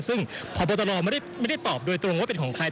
ซึ่งพบตรไม่ได้ตอบโดยตรงว่าเป็นของใคร